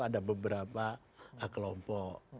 ada beberapa kelompok